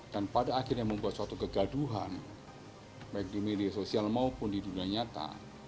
dan pada akhirnya membuat suatu kegaduhan baik di media sosial maupun di dunia nyata